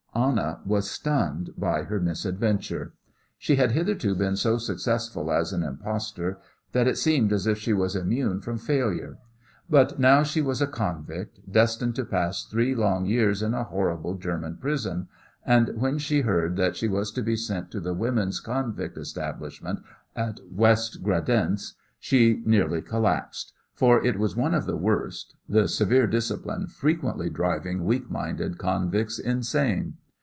Anna was stunned by her misadventure. She had hitherto been so successful as an impostor that it seemed as if she was immune from failure, but now she was a convict, destined to pass three long years in a horrible German prison, and when she heard that she was to be sent to the women's convict establishment at West Gradenz she nearly collapsed, for it was one of the worst, the severe discipline frequently driving weak minded convicts insane.